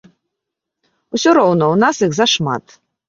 Усё роўна у нас іх зашмат.